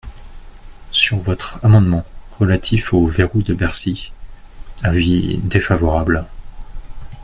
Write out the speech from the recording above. Sur votre amendement, relatif au verrou de Bercy, avis défavorable.